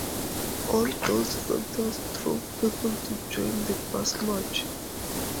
All these factors drove people to join the Basmachi.